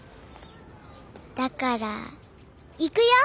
だからいくよ！